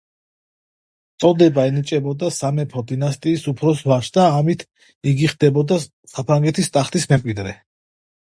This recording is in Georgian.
წოდება ენიჭებოდა სამეფო დინასტიის უფროს ვაჟს და ამით იგი ხდებოდა საფრანგეთის ტახტის მემკვიდრე.